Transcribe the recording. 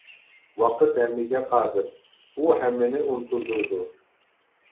ۋاقىت ھەممىگە قادىر، ئۇ ھەممىنى ئۇنتۇلدۇرىدۇ.